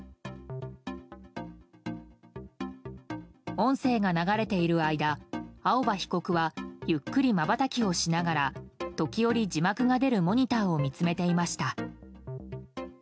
音声が流れている間青葉被告はゆっくり、まばたきをしながら時折、字幕が出るモニターを見つめていました。